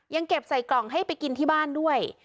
ยังเก็บใส่กล่องให้ไปกินที่บ้านด้วย